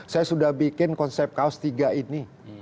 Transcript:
saya sudah bikin konsep kaos tiga ini